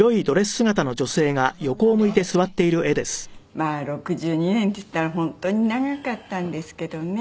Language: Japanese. まあ６２年っていったら本当に長かったんですけどね。